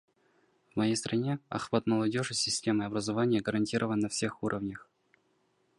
В моей стране охват молодежи системой образования гарантирован на всех уровнях.